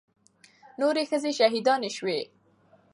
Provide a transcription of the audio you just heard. نورې ښځې شهيدانې سوې.